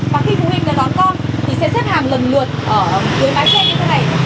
và khi phụ huynh đón con thì sẽ xếp hàm lần lượt với mái tre như thế này